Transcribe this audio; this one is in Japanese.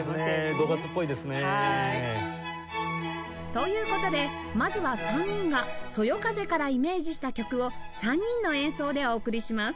という事でまずは３人が「そよ風」からイメージした曲を３人の演奏でお送りします